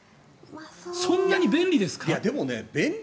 そんなに便利ですか？